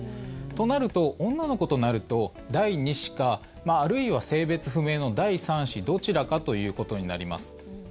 となると女の子となると第２子かあるいは性別不明の第３子どちらかということになります。